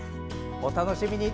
お楽しみに！